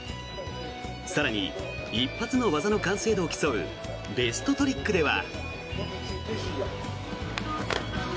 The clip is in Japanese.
更に、一発の技の完成度を競うベストトリックでは。